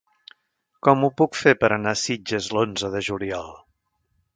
Com ho puc fer per anar a Sitges l'onze de juliol?